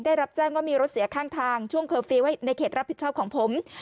ได้รับแจ้งว่ามีรถเสียข้างทางช่วงเคอร์ฟีลไว้ในเขตรับผิดชอบของผม